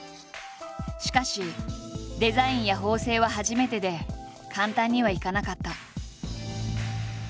しかしデザインや縫製は初めてで簡単にはいかなかった。